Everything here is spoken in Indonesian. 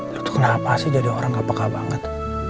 lu tuh kenapa sih jadi orang gak peka banget